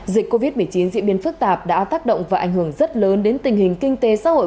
dịch covid một mươi chín diễn biến phức tạp đã tác động và ảnh hưởng rất lớn đến tình hình kinh tế xã hội